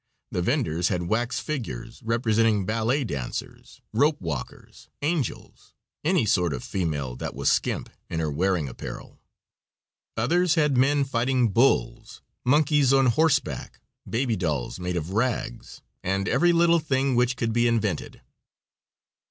The venders had wax figures representing ballet dancers, rope walkers, angels any sort of female that was skimp in her wearing apparel. Others had men fighting bulls, monkeys on horseback, baby dolls made of rags, and every little thing which could be invented.